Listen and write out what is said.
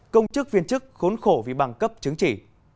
công chức viên chức khốn khổ vì bằng cấp chứng chỉ